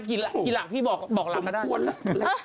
กินหลักพี่บอกลำก็ได้สมควรลำ